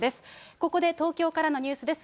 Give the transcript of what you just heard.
ここで東京からのニュースです。